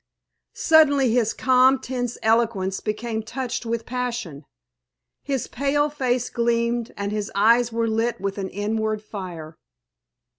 Suddenly his calm, tense eloquence became touched with passion. His pale face gleamed, and his eyes were lit with an inward fire.